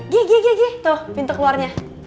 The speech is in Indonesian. gie gie gie tuh pintu keluarnya